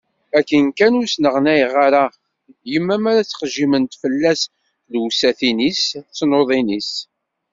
Akken kan ur sneɣnayeɣ ara yemma mi ara ttqejjiment fell-as tlewsatin-is d tnuḍin-is